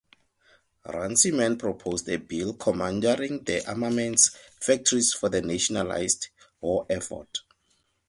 Runciman proposed a bill "commandeering" the armaments factories for the nationalised war effort.